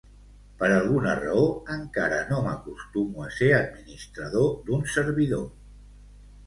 Per alguna raó, encara no m'acostumo a ser administrador d'un servidor.